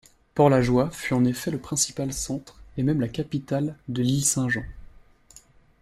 Port-La-Joye fut en effet le principal centre et même la capitale de l'Isle Saint-Jean.